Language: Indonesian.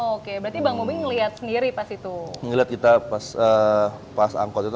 oke berarti bang bobi ngelihat sendiri pas itu ngelihat kita pas angkot itu